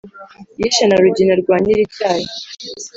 Yishe na Rugina rwa nyir’icyahi.